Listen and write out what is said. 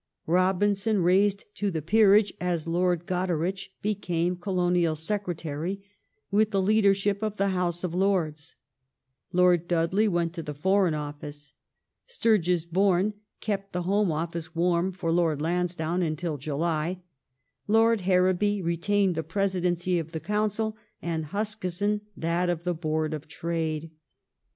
Robinson, raised to the Peerage as Lord Goderich, became Colonial Secretary with the Leadership of the House of Lords ; Lord Dudley went to the Foreign Office ; Sturges Bourne kept the Home Office warm for Lord Lansdowne until July ; Lord Harrowby re tained the Presidency of the Council, and Huskisson that of the Board of Trade.